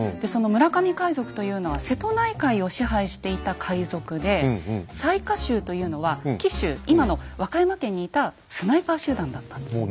その村上海賊というのは瀬戸内海を支配していた海賊で雑賀衆というのは紀州今の和歌山県にいたスナイパー集団だったんです。